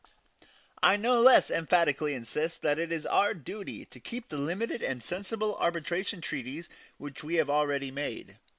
I no less emphatically insist that it is our duty to keep the limited and sensible arbitration treaties which we have already made.